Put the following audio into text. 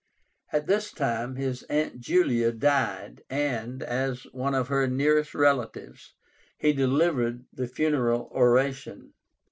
At this time his aunt Julia died, and, as one of her nearest relatives, he delivered the funeral oration.